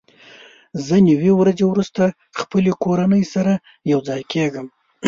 زه نوي ورځې وروسته خپلې کورنۍ سره یوځای کېږم.